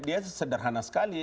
ini sederhana sekali